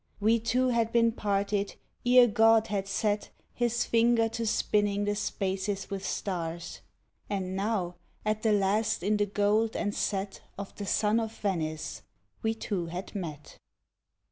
We two had been parted ere God had set His finger to spinning the spaces with stars, And now, at the last in the gold and set Of the sun of Venice, we two had met.